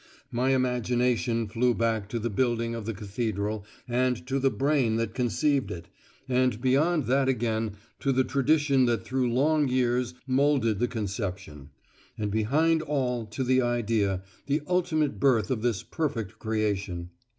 My imagination flew back to the building of the cathedral, and to the brain that conceived it, and beyond that again to the tradition that through long years moulded the conception; and behind all to the idea, the ultimate birth of this perfect creation.